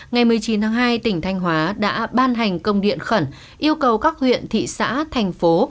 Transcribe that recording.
ngày một mươi chín tháng hai tỉnh thanh hóa đã ban hành công điện khẩn yêu cầu các huyện thị xã thành phố